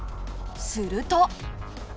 すると。